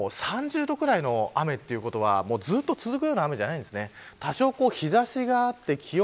そしてこの雨も３０度ぐらいの雨ということはずっと続くような雨じゃないんですね。